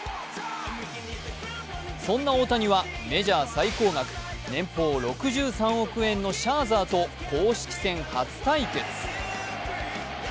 そんな大谷はメジャー最高額、年俸６３億円のシャーザーと公式戦初対決。